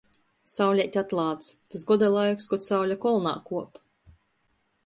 Sauleite atlāc. Tys goda laiks, kod saule kolnā kuop.